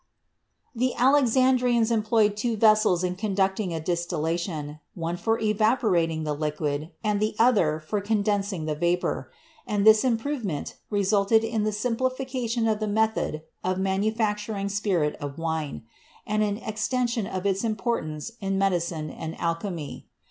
The Alexandrians employed two vessels in conducting a distillation, one for evaporating the liquid and the other for condensing the vapor, and this improvement resulted in the simplification of the method of manufacturing spirit of wine, and an extension of its importance in medicine and alchemy.